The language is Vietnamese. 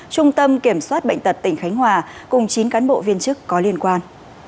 trung tâm kiểm soát bệnh tật tỉnh khánh hòa cùng chín cán bộ viên chức có liên quan